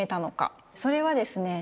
それはですね